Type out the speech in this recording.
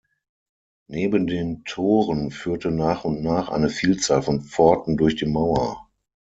Neben den Toren führte nach und nach eine Vielzahl von Pforten durch die Mauer.